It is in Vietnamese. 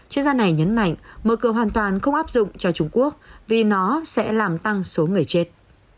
chuyên gia này nhấn mạnh mở cửa hoàn toàn không áp dụng cho trung quốc vì nó sẽ làm tăng số người chết